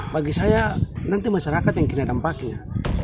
bagi saya nanti masyarakat yang kena dampaknya